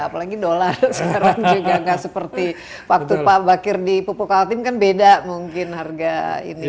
apalagi dolar sekarang juga nggak seperti waktu pak bakir di pupuk altim kan beda mungkin harga ini